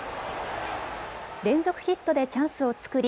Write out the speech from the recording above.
連続ヒットでチャンスを作り